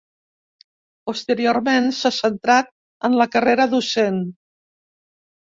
Posteriorment s’ha centrat en la carrera docent.